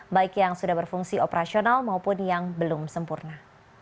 baik yang sudah berfungsi operasional maupun yang belum sempurna